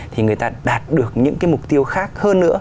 thì người ta đạt được những cái mục tiêu khác hơn nữa